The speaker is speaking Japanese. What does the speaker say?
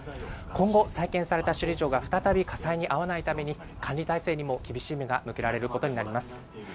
今後、再建された首里城が再び火災に遭わないために、管理態勢にも厳しい目が向けられることになります。